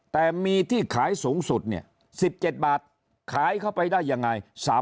แต่มีที่ขายสูงสุดเนี่ย๑๗บาทขายเข้าไปได้ยังไง